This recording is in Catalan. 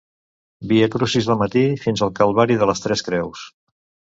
Via Crucis al matí fins al Calvari de les tres creus.